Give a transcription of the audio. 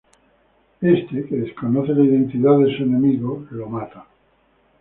Éste, que desconoce la identidad de su enemigo, lo mata.